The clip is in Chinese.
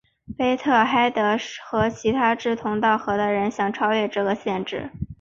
怀特黑德和其他志同道合的人想超越这个限制。